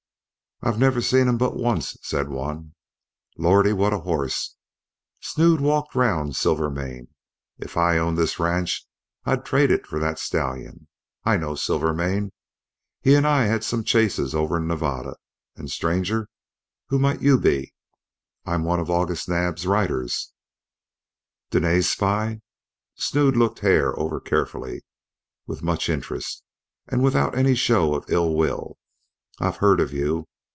"I never seen him but onc't," said one. "Lordy, what a hoss!" Snood walked round Silvermane. "If I owned this ranch I'd trade it for that stallion. I know Silvermane. He an' I hed some chases over in Nevada. An', stranger, who might you be?" "I'm one of August Naab's riders." "Dene's spy!" Snood looked Hare over carefully, with much interest, and without any show of ill will. "I've heerd of you.